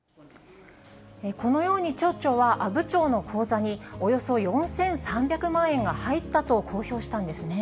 このように、町長は、阿武町の口座におよそ４３００万円が入ったと公表したんですね。